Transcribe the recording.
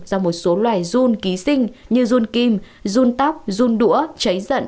do một số loài dun ký sinh như dun kim dun tóc dun đũa cháy giận